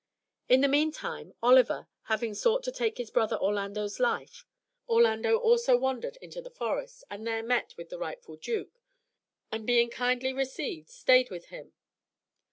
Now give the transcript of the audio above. In the meantime, Oliver, having sought to take his brother Orlando's life, Orlando also wandered into the forest, and there met with the rightful duke, and being kindly received, stayed with him.